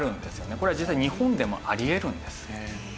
これは実際日本でもあり得るんです。